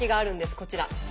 こちら。